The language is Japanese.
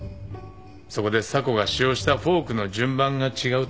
そこで査子が使用したフォークの順番が違うと指摘された。